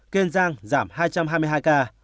kiên giang giảm hai trăm hai mươi hai ca